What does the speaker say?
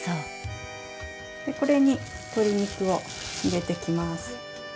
これに鶏肉を入れてきます。